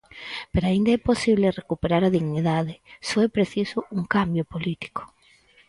Pero aínda é posible recuperar a dignidade: só é preciso un cambio político.